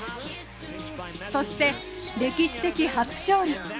そして歴史的初勝利。